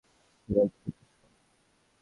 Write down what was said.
সবাইকে জিজ্ঞেস কর।